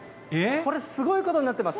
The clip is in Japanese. これ、すごいことになってます。